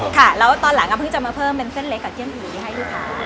ค่ะแล้วตอนหลังก็เพิ่งจะมาเพิ่มเป็นเส้นเล็กกับเจียมหุยให้ลูกค้า